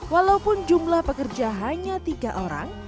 walaupun jumlah pekerja hanya tiga orang